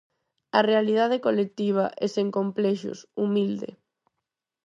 A realidade colectiva e sen complexos, humilde.